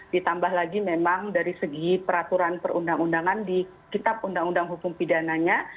ditambah lagi memang dari segi peraturan perundang undangan di kitab undang undang hukum pidananya